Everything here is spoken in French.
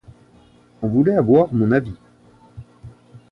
On voulait avoir mon avis.